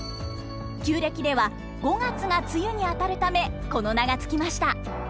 旧暦では五月が梅雨にあたるためこの名が付きました。